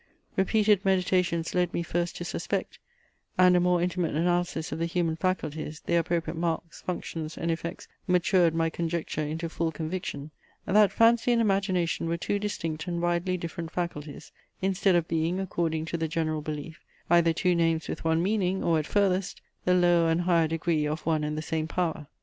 Repeated meditations led me first to suspect, (and a more intimate analysis of the human faculties, their appropriate marks, functions, and effects matured my conjecture into full conviction,) that Fancy and Imagination were two distinct and widely different faculties, instead of being, according to the general belief, either two names with one meaning, or, at furthest, the lower and higher degree of one and the same power.